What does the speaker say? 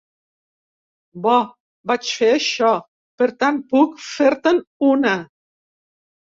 Bo, vaig fer això, per tant puc fer-te'n una.